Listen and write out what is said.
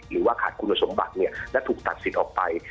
หรือว่าขาดคุณสมบัติและถูกตัดสิทธิ์ออกไป